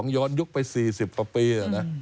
ย้อนยุคไป๔๐ประปี